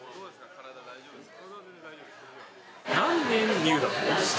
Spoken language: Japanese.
体大丈夫ですか？